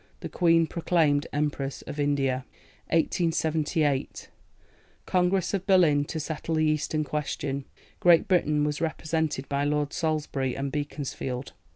THE QUEEN PROCLAIMED EMPRESS OF INDIA. 1878. Congress of Berlin to settle the Eastern Question. Great Britain was represented by Lords Salisbury and Beaconsfield.